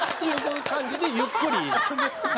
いう感じでゆっくり。